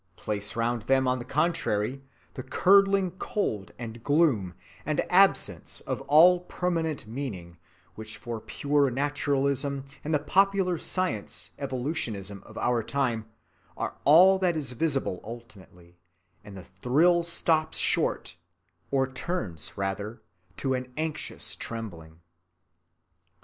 Place round them on the contrary the curdling cold and gloom and absence of all permanent meaning which for pure naturalism and the popular science evolutionism of our time are all that is visible ultimately, and the thrill stops short, or turns rather to an anxious trembling.